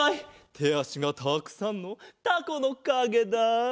てあしがたくさんのタコのかげだ。